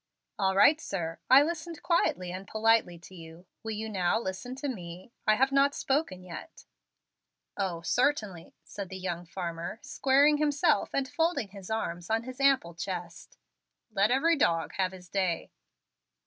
"All right, sir. I listened quietly and politely to you. Will you now listen to me? I have not spoken yet." "O, certainly," said the young farmer, squaring himself and folding his arms on his ample chest. "Let every dog have his day."